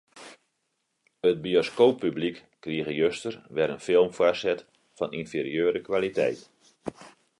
It bioskooppublyk krige juster wer in film foarset fan ynferieure kwaliteit.